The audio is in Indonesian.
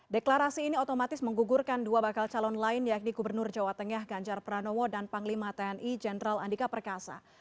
deklarasi ini otomatis menggugurkan dua bakal calon lain yakni gubernur jawa tengah ganjar pranowo dan panglima tni jenderal andika perkasa